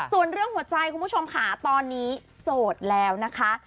ส่วนเรื่องหัวใจคุณผู้ชมค่ะตอนนี้โสดแล้วนะคะ